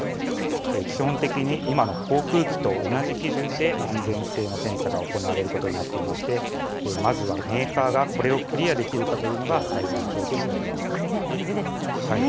基本的に今の航空機と同じ基準で安全性の検査が行われることになっていまして、まずはメーカーがこれをクリアできるかというのが安全大事ですよね。